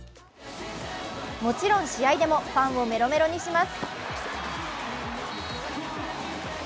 もちろん試合でもファンをメロメロにします。